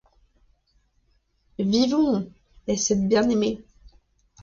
Vivons ! et cette bien-aimée